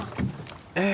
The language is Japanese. え！